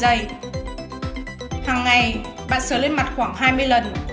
hàng ngày bạn sửa lên mặt khoảng hai mươi lần